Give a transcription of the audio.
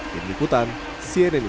diri putan cnn indonesia